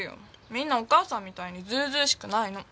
みんなお母さんみたいに図々しくないの。